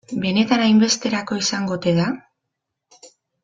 Benetan hainbesterako izango ote da?